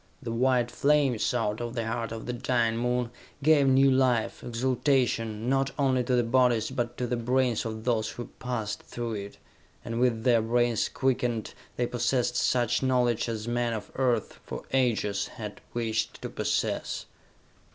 The white flames, out of the heart of the dying Moon, gave new life, exaltation, not only to the bodies but to the brains of those who passed through it, and with their brains quickened, they possessed such knowledge as men of Earth, for ages, had wished to possess.